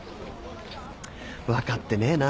分かってねえな。